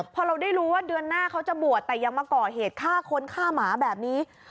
พอเราได้รู้ว่าเดือนหน้าเขาจะบวชแต่ยังมาก่อเหตุฆ่าคนฆ่าหมาแบบนี้